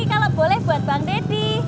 kalau boleh buat bang deddy